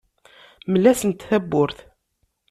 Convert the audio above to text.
Mel-asent tawwurt.